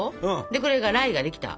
でこれが「ライ」ができた。